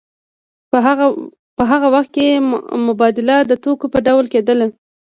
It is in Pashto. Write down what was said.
په هغه وخت کې مبادله د توکو په ډول کېدله